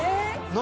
何？